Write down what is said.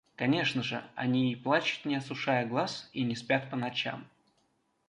Конечно же, они и плачут не осушая глаз, и не спят по ночам.